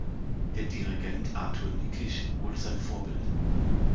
Der Dirigent Arthur Nikisch wurde sein Vorbild.